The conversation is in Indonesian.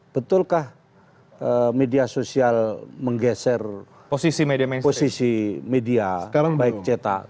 betulkah media sosial menggeser posisi media baik ceta